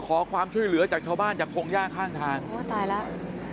ขอความช่วยเหลือจากชาวบ้านจากพงหญ้าข้างทางโอ้ตายแล้ว